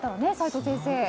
齋藤先生。